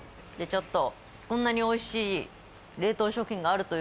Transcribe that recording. ちょっと。